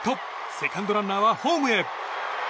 セカンドランナーはホームへ。